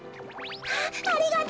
あっありがとう！